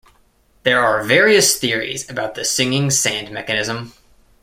There are various theories about the singing sand mechanism.